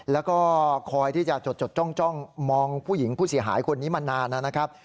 แล้วก็คอยที่จะจดจ้องมองผู้หญิงผู้เสียหายคนนี้มานานนะครับ